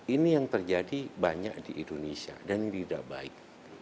ini yang terjadi banyak di indonesia dan tidak baik